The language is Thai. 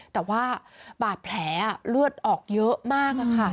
แต่ว่าบาดแผลเลือดออกเยอะมากค่ะ